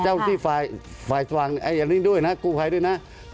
เจ้าที่ฝ่ายสว่างอย่างนี้ด้วยนะกู้ภัยด้วยนะ